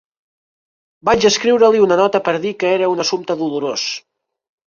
Vaig escriure-li una nota per dir que era un assumpte dolorós.